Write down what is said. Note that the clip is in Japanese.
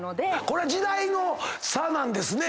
これは時代の差なんですね。